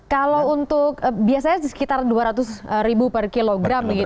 kalau untuk biasanya sekitar dua ratus ribu per kilogram